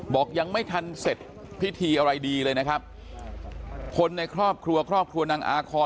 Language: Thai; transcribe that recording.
ยังไม่ทันเสร็จพิธีอะไรดีเลยนะครับคนในครอบครัวครอบครัวนางอาคอน